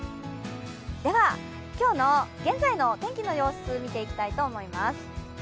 では、現在の天気の様子見ていきたいと思います。